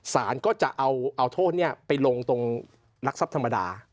สารก็จะเอาโทษไปลงตรงรักทรัพย์ธรรมดา